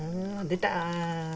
出た！